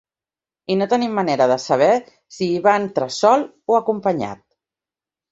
I no tenim manera de saber si hi va entrar sol o acompanyat.